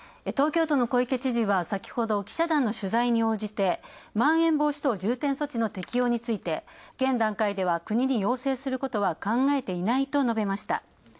東京都の小池知事は先ほど記者団の取材に応じてまん延防止等重点措置の適用について現段階では国に要請することは考えていないと述べました。